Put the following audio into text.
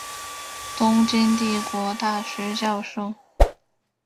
东京帝国大学教授。